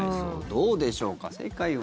どうでしょうか、正解は。